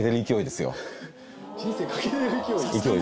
人生かけてる勢い？